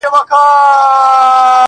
او په سترگو کې بلا اوښکي را ډنډ سوې.